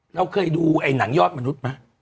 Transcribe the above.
เราเคยดูไอ้หนังยอดมนุษย์ไหม